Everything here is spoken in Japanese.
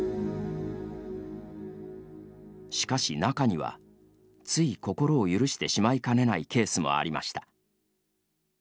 しかし、中にはつい心を許してしまいかねないケースもありました。